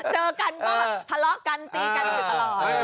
เจอกันก็ทะเลาะกันตีกันอยู่ตลอด